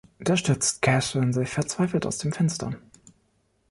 Da stürzt Catherine sich verzweifelt aus dem Fenster.